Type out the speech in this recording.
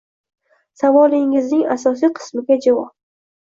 Savolingizning asosiy qismiga javob.